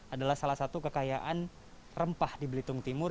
adalah salah satu kekayaan rempah di belitung timur